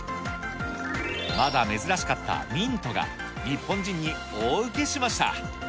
まだ珍しかったミントが、日本人に大うけしました。